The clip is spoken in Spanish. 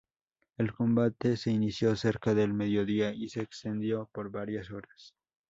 El combate se inició cerca del mediodía y se extendió por varias horas.